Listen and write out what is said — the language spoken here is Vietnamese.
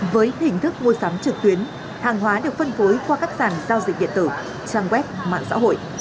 với hình thức mua sắm trực tuyến hàng hóa được phân phối qua các sản giao dịch điện tử trang web mạng xã hội